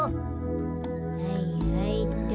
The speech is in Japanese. はいはいっと。